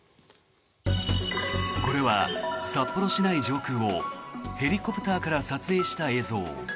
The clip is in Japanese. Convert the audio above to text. これは、札幌市内上空をヘリコプターから撮影した映像。